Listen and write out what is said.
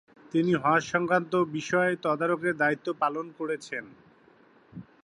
তিনি হজ সংক্রান্ত বিষয় তদারকের দায়িত্ব পালন করেছেন।